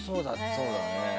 そうだね。